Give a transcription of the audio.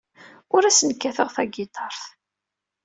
Ur asen-kkateɣ tagiṭart.